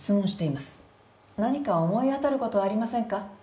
「何か思い当たる事はありませんか？」